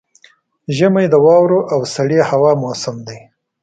ژمی د واورو او سړې هوا موسم دی.